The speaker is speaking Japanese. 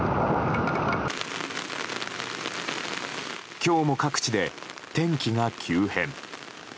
今日も各地で天気が急変。